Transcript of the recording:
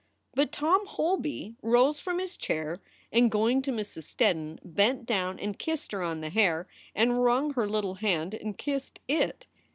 But Tom Holby rose from his chair and, going to Mrs. Steddon, bent down and kissed her on the hair and wrung her little hand and kissed it.